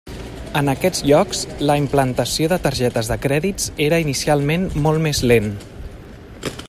En aquests llocs, la implantació de targetes de crèdit era inicialment molt més lent.